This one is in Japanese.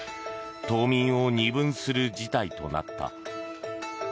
島民を二分する事態となった。